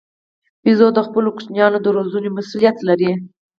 بیزو د خپلو کوچنیانو د روزنې مسوولیت لري.